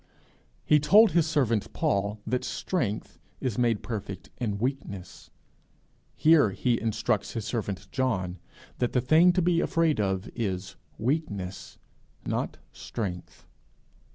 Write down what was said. He told his servant Paul that strength is made perfect in weakness; here he instructs his servant John that the thing to be afraid of is weakness, not strength.